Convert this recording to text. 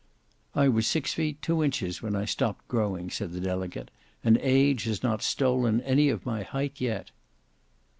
"I was six feet two inches when I stopped growing," said the delegate; "and age has not stolen any of my height yet."